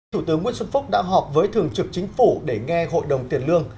thủ tướng nguyễn xuân phúc đã họp với thường trực chính phủ để nghe hội đồng tiền lương